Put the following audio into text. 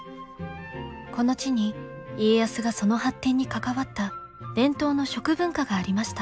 この地に家康がその発展に関わった伝統の食文化がありました。